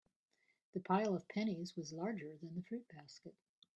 The pile of pennies was larger than the fruit basket.